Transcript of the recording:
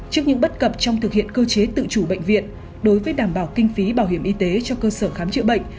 trước những bất cập trong thực hiện cơ chế tự chủ bệnh viện đối với đảm bảo kinh phí bảo hiểm y tế cho cơ sở khám chữa bệnh